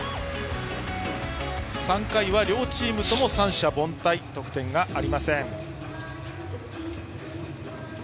３回は両チームとも三者凡退で得点がありません。